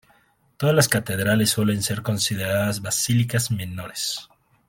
Todas las catedrales suelen ser consideradas basílicas menores.